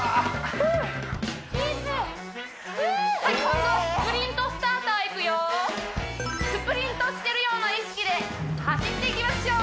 ふう今度はスプリントスターターいくよスプリントしてるような意識で走っていきましょう！